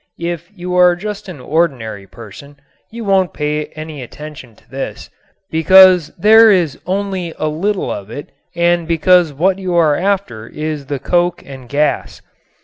If you are just an ordinary person, you won't pay any attention to this because there is only a little of it and because what you are after is the coke and gas.